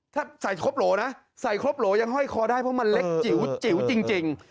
ถ้าใส่ครบโหลนะใส่ครบโหลยังห้อยคอได้เพราะมันเล็กจิ๋วจิ๋วจริง